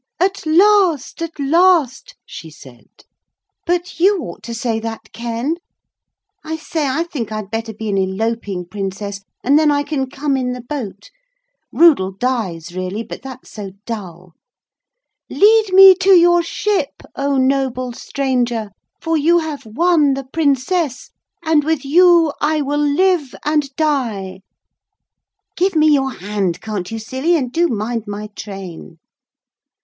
'At last, at last,' she said, 'but you ought to say that, Ken. I say, I think I'd better be an eloping Princess, and then I can come in the boat. Rudel dies really, but that's so dull. Lead me to your ship, oh noble stranger! for you have won the Princess, and with you I will live and die. Give me your hand, can't you, silly, and do mind my train.'